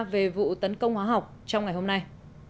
về vụ tấn công hóa học trong ngày hôm nay